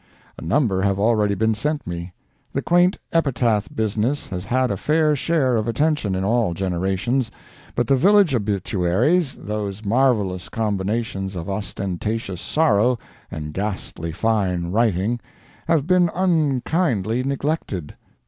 A number have already been sent me. The quaint epitaph business has had a fair share of attention in all generations, but the village obituaries—those marvellous combinations of ostentatious sorrow and ghastly "fine writing"—have been unkindly neglected.